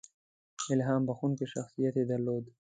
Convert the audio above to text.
• الهام بښونکی شخصیت یې درلود.